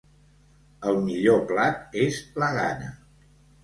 El millor plat és la gana.